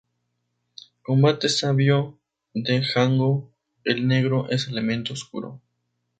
Combate sabio, Django el Negro es elemento oscuro.